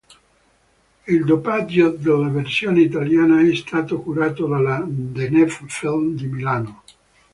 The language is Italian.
Il doppiaggio della versione italiana è stato curato dalla Deneb film di Milano.